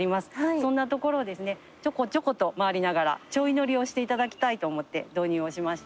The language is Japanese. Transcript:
そんな所をですねちょこちょこと回りながらちょい乗りをしていただきたいと思って導入をしました。